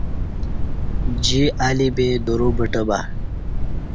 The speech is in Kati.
جی الی بے درو بٹہ بہ